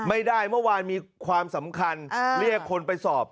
เมื่อวานมีความสำคัญเรียกคนไปสอบ